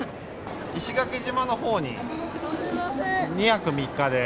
石垣島のほうに、２泊３日で。